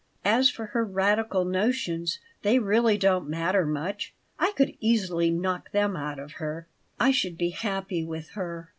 As for her 'radical' notions, they really don't matter much. I could easily knock them out of her. I should be happy with her.